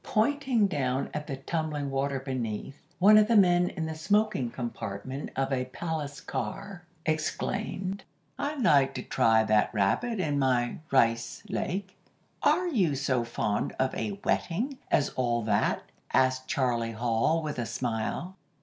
Pointing down at the tumbling water beneath, one of the men in the smoking compartment of a palace car exclaimed,— "I'd like to try that rapid in my Rice Lake." "Are you so fond of a wetting as all that?" asked Charlie Hall with a smile.